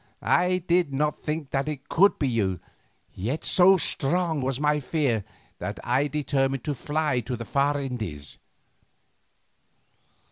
I did not think that it could be you, yet so strong was my fear that I determined to fly to the far Indies.